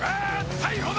逮捕だー！